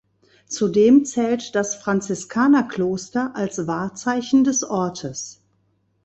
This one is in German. Zudem zählt das Franziskanerkloster als Wahrzeichen des Ortes.